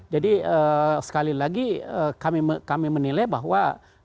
jadi sekali lagi kami menilai bahwa